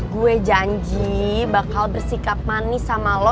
gue janji bakal bersikap manis sama lo